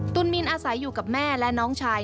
มินอาศัยอยู่กับแม่และน้องชาย